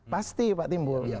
pasti pak timbul